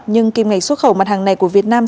nhưng kim ngạch xuất khẩu mặt hàng này của việt nam